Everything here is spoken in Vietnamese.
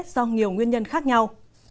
do nhiều nguyên nhân khác nhau